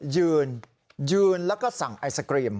ยืนยืนแล้วก็สั่งไอศกรีม